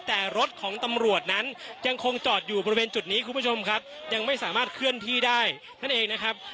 แต่รถของตำรวจนั้นยังคงจอดอยู่บริเวณจุดนี้คุณผู้ชมครับยังไม่สามารถเคลื่อนที่ได้นั่นเองนะครับ